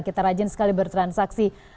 kita rajin sekali bertransaksi